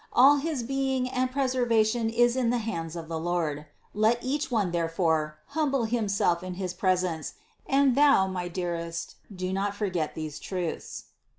All his being and preservation is in the hands of the Lord; let each one therefore humble himself in his presence, and thou, my dearest, do not forget these truths.